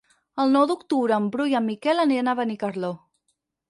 El nou d'octubre en Bru i en Miquel aniran a Benicarló.